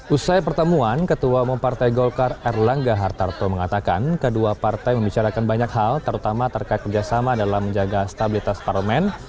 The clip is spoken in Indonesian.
usai pertemuan ketua umum partai golkar erlangga hartarto mengatakan kedua partai membicarakan banyak hal terutama terkait kerjasama dalam menjaga stabilitas parlemen